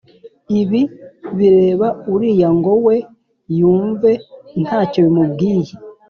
ibi bireba uriya ngo we yumve ntacyo bimubwiye.